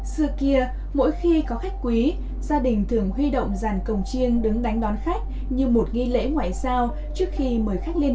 giờ kia mỗi khi có khách quý gia đình thường huy động dàn cồng chiêng đứng đánh đón khách như một ghi lễ ngoại sao trước khi mời khách lên nhà